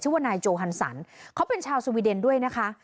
ว่านายโจฮันสันเขาเป็นชาวสวีเดนด้วยนะคะ